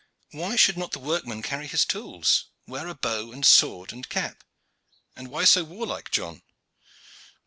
Why should not the workman carry his tools? Where are bow and sword and cap and why so warlike, John?"